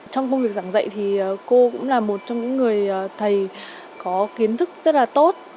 trong trường giảng dạy thì cô cũng là một trong những người thầy có kiến thức rất là tốt